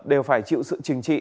đều phải chịu sự trình trị